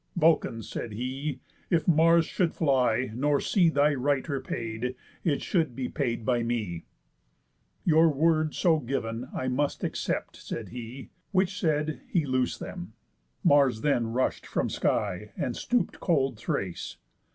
"Vulcan," said he, "if Mars should fly, nor see Thy right repaid, it should be paid by me." "Your word, so giv'n, I must accept," said he. Which said, he loos'd them. Mars then rush'd from sky, And stoop'd cold Thrace.